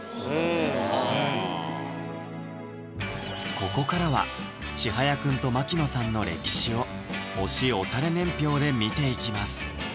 ここからはちはやくんと槙野さんの歴史を推し推され年表で見ていきます